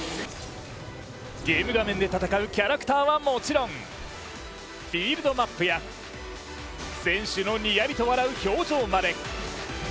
ゲーム画面で戦うキャラクターはもちろん、フィールドマップや選手の、にやりと笑う表情まで。